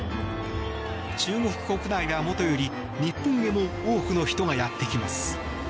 中国国内はもとより、日本へも多くの人がやってきます。